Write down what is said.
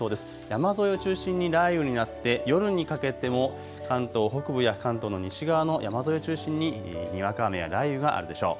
山沿いを中心に雷雨になって夜にかけても関東北部や関東の西側の山沿いを中心ににわか雨や雷雨があるでしょう。